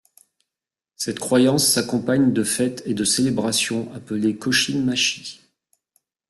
Cette croyance s'accompagne de fêtes et de célébrations appelées kōshin-machi.